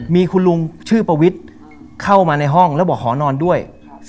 มีคุณลุงชื่อปวิทย์เข้ามาในห้องแล้วบอกขอนอนด้วย